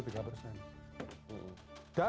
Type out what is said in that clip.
dapat pemerintah seratus miliar